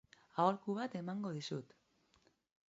Aholku bat emango dizut.